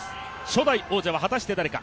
初代王者は果たして誰か。